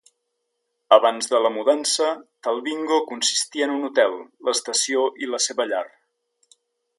Abans de la mudança, Talbingo consistia en un hotel, l'estació i la seva llar.